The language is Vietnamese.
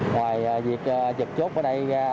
ngoài việc dập chốt ở đây